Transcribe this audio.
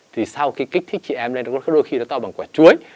thì sau khi kích thích chị em lên đôi khi nó to bằng quả chuối